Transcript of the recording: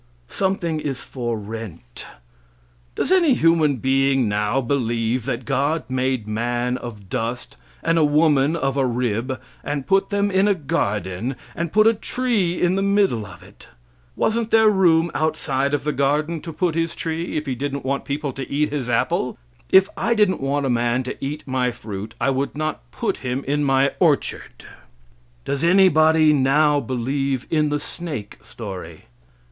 Something is for rent. Does any human being now believe that God made man of dust and a woman of a rib, and put them in a garden, and put a tree in the middle of it? Wasn't there room outside of the garden to put His tree, if He didn't want people to eat His apple? If I didn't want a man to eat my fruit I would not put him in my orchard. Does anybody now believe in the snake story?